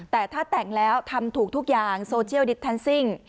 แต่ถ้าแต่งแล้วทำถูกทุกอย่างโซเชียลดิสแทนซิ่ง